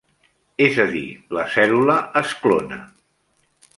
És a dir, la cèl·lula es clona.